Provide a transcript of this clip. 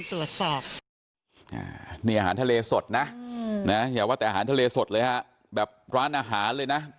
อาหารทะเลสดเลยฮะแบบร้านอาหารเลยนะ